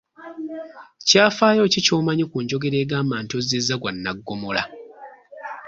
Kyafaayo ki ky'omanyi ku njogera egamba nti ozzizza gwa nnaggomola?